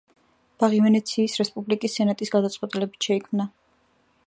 ბაღი ვენეციის რესპუბლიკის სენატის გადაწყვეტილებით შეიქმნა.